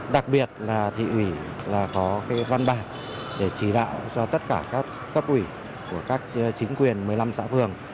đặc biệt là thị ủy có văn bản để chỉ đạo cho tất cả các pháp ủy của các chính quyền một mươi năm xã phường